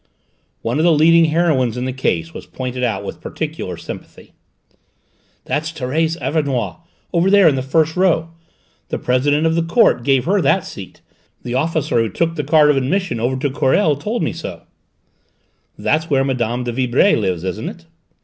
One of the leading heroines in the case was pointed out with particular sympathy. "That's Thérèse Auvernois, over there in the first row! The President of the Court gave her that seat; the officer who took the card of admission over to Querelles told me so." "That's where Mme. de Vibray lives, isn't it?"